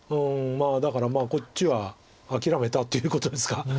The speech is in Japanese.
だからこっちは諦めたっていうことですか。